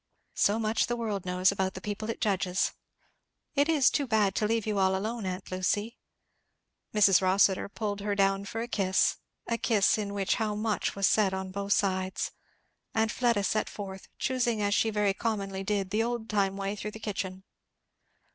So much the world knows about the people it judges! It is too bad to leave you all alone, aunt Lucy." Mrs. Rossitur pulled her down for a kiss, a kiss in which how much was said on both sides! and Fleda set forth, choosing as she very commonly did the old time way through the kitchen.